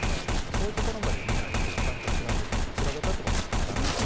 そういうところまで見ないと、ちゃんと調べたってことにならないと。